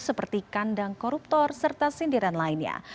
seperti kandang koruptor serta sindiran lainnya